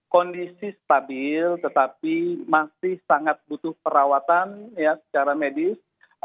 kondisi stabil tetapi masih sangat butuh perawatan secara medis